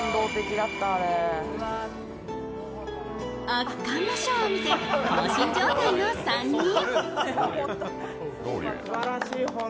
圧巻のショーを見て放心状態の３人。